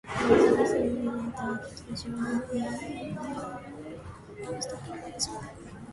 It was also revealed that Johnny Lee Michaels provided post-production work in Helsinki.